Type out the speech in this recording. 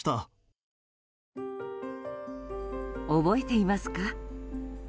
覚えていますか？